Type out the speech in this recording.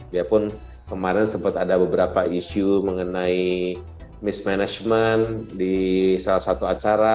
biarpun kemarin sempat ada beberapa isu mengenai mismanagement di salah satu acara